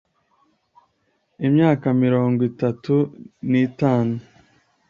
Imyaka mirongo itatu nitanu